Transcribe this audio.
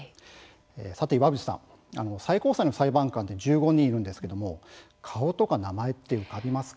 さて岩渕さん最高裁の裁判官は１５人いるんですけれども顔とか名前って浮かびますか。